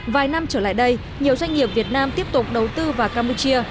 vài năm trở lại đây nhiều doanh nghiệp việt nam tiếp tục đầu tư vào campuchia